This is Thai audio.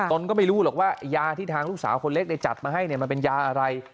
ตนก็ไม่รู้หรอกว่ายาที่ทางลูกสาวคนเล็กได้จัดมาให้มันเป็นยาอะไร